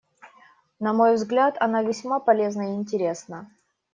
На мой взгляд, она весьма полезна и интересна.